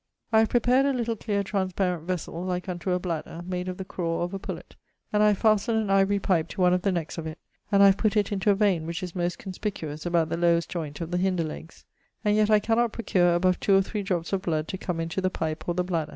'I have prepared a little cleare transparent vessel (like unto a bladder), made of the craw of a pullet; and I have fastened an ivory pipe to one of the neckes of it, and I have put it into a veine which is most conspicuous about the lowest joint of the hinder legges; and yet I cannot procure above 2 or 3 drops of blood to come into the pipe or the bladder.